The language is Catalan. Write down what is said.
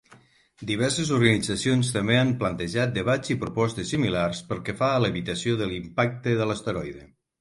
Diverses organitzacions també han plantejat debats i propostes similars pel que fa a l'evitació de l'impacte de l'asteroide.